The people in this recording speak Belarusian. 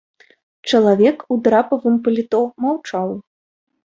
Чалавек у драпавым паліто маўчаў.